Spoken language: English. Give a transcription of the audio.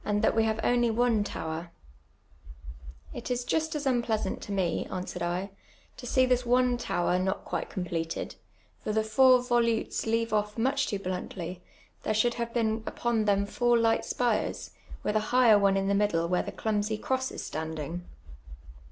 433 that wc have only one tower." " It is jiwt a« unplcnsnnt to me," nn^were(l I, *' to see this one tower not (piite eoniplcted, for the lour vohites have oti* mueh too bluntly ; thi re nliould have been u])()u them four li^xht spiren, with a hi<;her one in tlie niiddh' where tlic elunisy cross in ntandin^."